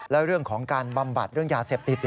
และเรื่องของการบำบัดเรื่องยาเสพติด